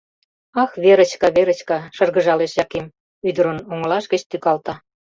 — Ах, Верочка, Верочка, — шыргыжалеш Яким, ӱдырын оҥылаш гыч тӱкалта.